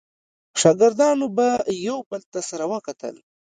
شاګردانو به یو بل ته سره وکتل.